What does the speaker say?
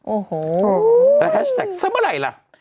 โอ้โหแล้วแฮชแท็กซะเมื่อไหร่ล่ะ